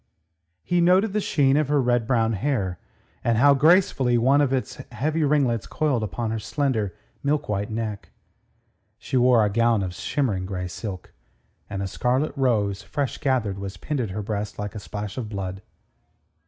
He noted the sheen of her red brown hair, and how gracefully one of its heavy ringlets coiled upon her slender, milk white neck. She wore a gown of shimmering grey silk, and a scarlet rose, fresh gathered, was pinned at her breast like a splash of blood.